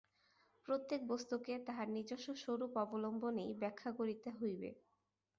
প্রত্যেক বস্তুকে তাহার নিজের স্বরূপ অবলম্বনেই ব্যাখ্যা করিতে হইবে।